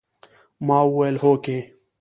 ما وويل هوکې.